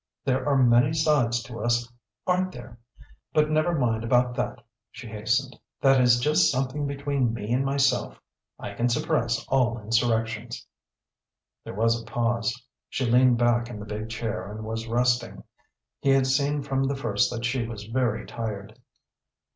There are many sides to us aren't there? But never mind about that," she hastened. "That is just something between me and myself. I can suppress all insurrections." There was a pause. She leaned back in the big chair and was resting; he had seen from the first that she was very tired.